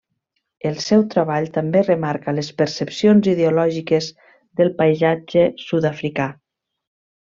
El seu treball també remarca les percepcions ideològiques del paisatge sud-africà.